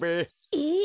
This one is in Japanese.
えっ？